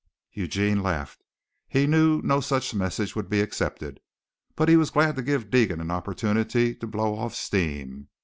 Eugene laughed. He knew no such message would be accepted, but he was glad to give Deegan an opportunity to blow off steam.